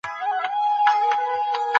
هیوادونه چیري د بندیانو حقونه څاري؟